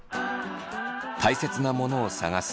たいせつなものを探す